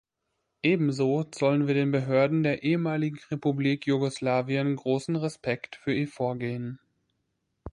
Ebenso zollen wir den Behörden der ehemaligen Republik Jugoslawien großen Respekt für ihr Vorgehen.